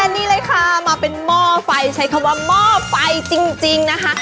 นี่เลยค่ะมาเป็นหม้อไฟใช้คำว่าหม้อไฟจริงนะคะ